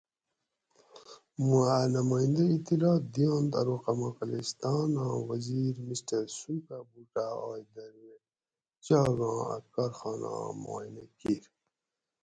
موں ا نمائندہ اطلاع دئینت ارو قمقلستاناں وزیر مسٹر سوکھا بوٹاۤ آج درویٹ چاگاں ا کارخاناں معائنہ کیر